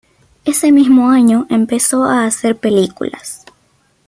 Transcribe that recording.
Ese mismo año empezó a hacer películas.